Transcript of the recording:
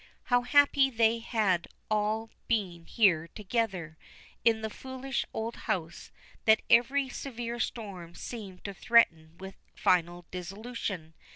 How happy they had all been here together, in this foolish old house, that every severe storm seemed to threaten with final dissolution.